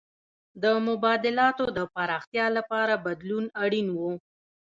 د مبادلاتو د پراختیا لپاره بدلون اړین و.